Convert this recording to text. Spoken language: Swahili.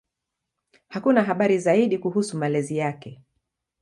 Hakuna habari zaidi kuhusu malezi yake.